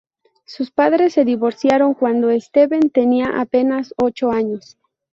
Sus padres se divorciaron cuando Steven tenía apenas ocho años.